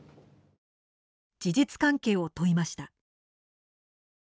事実関係を問いました。